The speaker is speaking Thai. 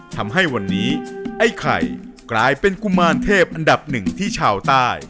ทำให้วันนี้ไอ้ไข่กลายเป็นกุมารเทพอันดับหนึ่งที่ชาวใต้